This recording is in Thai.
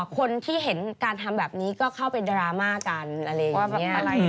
คนที่เห็นการทำแบบนี้ก็เข้าไปดราม่ากันอะไรอย่างนี้